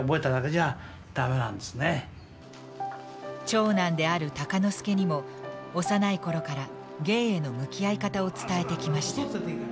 長男である鷹之資にも幼い頃から芸への向き合い方を伝えてきました。